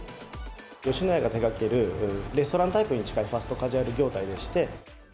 吉野家が手がける、レストランタイプに近いファストカジュアル業態でして。